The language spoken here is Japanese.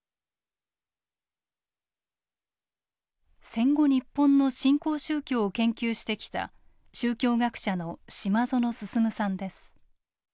戦後日本の新興宗教を研究してきた宗教学者の島薗進さんです。